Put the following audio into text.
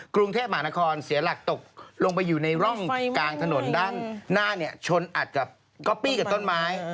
กรุงเทพมหานครเสียหลักตกลงไปอยู่ในร่องกลางถนนด้านหน้าเนี่ยชนอัดกับก๊อปปี้กับต้นไม้